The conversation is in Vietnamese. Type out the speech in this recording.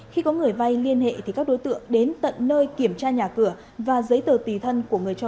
khi có người vay liên hệ thì các đối tượng đến tận nơi kiểm tra nhà cửa và giấy tờ tùy thân của người cho